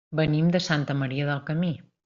Venim de Santa Maria del Camí.